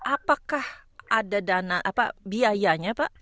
apakah ada biayanya pak